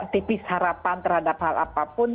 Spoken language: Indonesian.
tipis harapan terhadap hal apapun